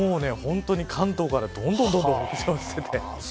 関東からどんどん北上していて。